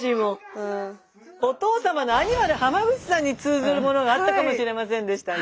お父様のアニマル浜口さんに通ずるものがあったかもしれませんでしたね。